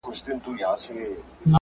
چي همدا نن لا یو ساعت